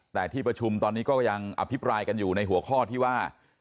แต่ที่ประชุมตอนนี้ก็ยังอภิปรายกันอยู่ในหัวข้อที่ว่า